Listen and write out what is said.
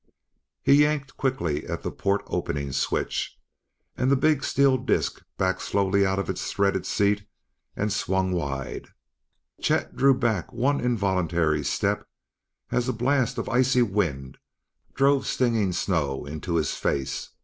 He yanked quickly at the port opening switch, and the big steel disk backed slowly out of its threaded seat and swung wide. Chet drew back one involuntary step as a blast of icy wind drove stinging snow into his face.